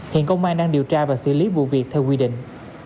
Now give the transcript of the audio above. hiện công an đang điều tra và xử lý vụ việc theo quy định